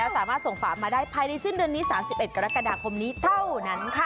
สามารถส่งฝามาได้ภายในสิ้นเดือนนี้๓๑กรกฎาคมนี้เท่านั้นค่ะ